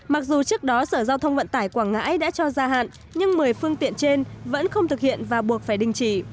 mặc dù trước đó sở giao thông vận tải quảng ngãi đã cho gia hạn nhưng một mươi phương tiện trên vẫn không thực hiện và buộc phải đình chỉ